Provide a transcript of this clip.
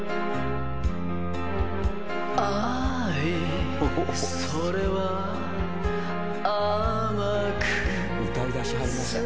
愛、それは甘く歌いだしはりましたね。